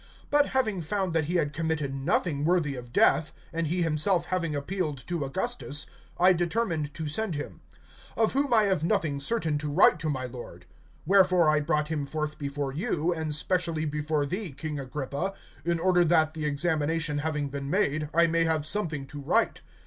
(25)But having found that he had committed nothing worthy of death, and he himself having appealed to Augustus, I determined to send him. (26)Of whom I have nothing certain to write to my lord. Wherefore I brought him forth before you, and specially before thee, king Agrippa, in order that, the examination having been made, I may have something to write.